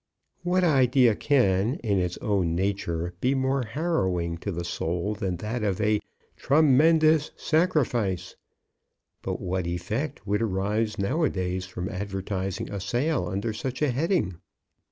What idea can, in its own nature, be more harrowing to the soul than that of a TREMENDOUS SACRIFICE? but what effect would arise now a days from advertising a sale under such a heading?